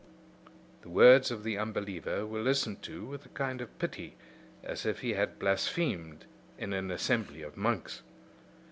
The words of the unbeliever were listened to with a kind of pity, as if he had blasphemed in an assembly of monks.